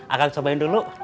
akan cobain dulu